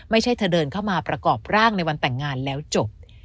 ไม่ใช่เธอเดินเข้ามาประกอบร่างในวันแต่งงานแล้วจบ